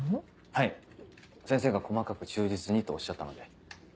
はい先生が細かく忠実にとおっしゃったので。